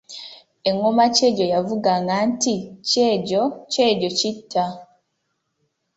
"Engoma kyejo yavuganga nti “Kyejo, kyejo kitta.”"